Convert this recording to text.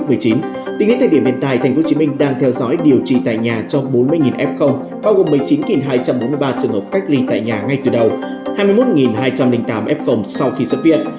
tính đến thời điểm hiện tại tp hcm đang theo dõi điều trị tại nhà cho bốn mươi f bao gồm một mươi chín hai trăm bốn mươi ba trường hợp cách ly tại nhà ngay từ đầu hai mươi một hai trăm linh tám f sau khi xuất viện